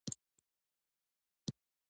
دوی یوازې یو خاص افغاني غورځنګ نه ګڼو.